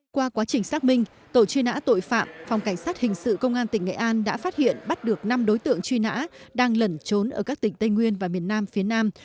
qua quá trình xác minh tổ truy nã tội phạm phòng cảnh sát hình sự công an tỉnh nghệ an đã phát hiện bắt được năm đối tượng truy nã đang lẩn trốn ở các tỉnh tây nguyên và miền nam phía nam